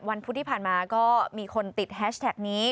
พุธที่ผ่านมาก็มีคนติดแฮชแท็กนี้